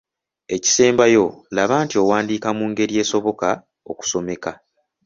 Ekisembayo laba nti owandiika mu ngeri esoboka okusomeka.